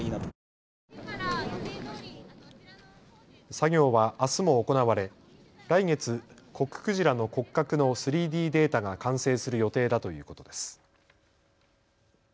作業はあすも行われ来月、コククジラの骨格の３Ｄデータが完成する予定だということです。